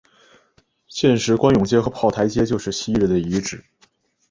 现时官涌街和炮台街就是昔日的遗址。